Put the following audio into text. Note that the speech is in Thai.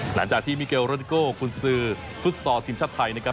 หลังจากที่มิเกลโรดิโกกุญสือฟุตซอลทีมชาติไทยนะครับ